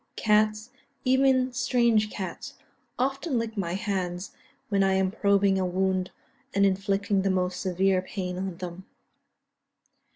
Cats, even strange cats, often lick my hands when I am probing a wound and inflicting the most severe pain on them.